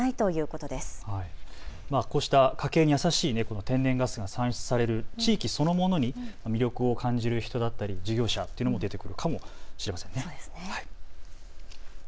こうした家計に優しい天然ガスが産出される地域そのものに魅力を感じる人だったり事業者も出てくるかもしれませんね。